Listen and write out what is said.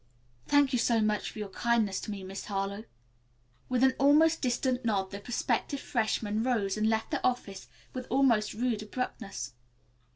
"Thank you so much for your kindness to me, Miss Harlowe." With an almost distant nod the prospective freshman rose and left the office with almost rude abruptness.